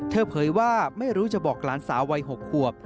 เผยว่าไม่รู้จะบอกหลานสาววัย๖ขวบ